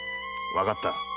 わかった。